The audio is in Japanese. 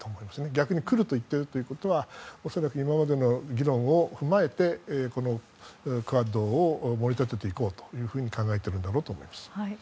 逆に来ると言っているということは恐らく今までの議論を踏まえてクアッドを盛り立てていこうと考えているんだと思います。